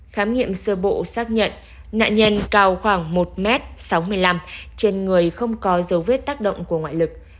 khám nghiệm sơ bộ xác nhận nạn nhân cao khoảng một m sáu mươi năm trên người không có dấu vết tác động của ngoại lực